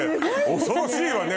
恐ろしいわね